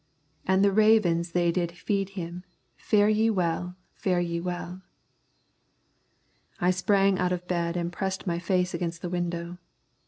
"An' the ravens they did feed him, fare ye well, fare ye well." I sprang out of bed and pressed my face against the window.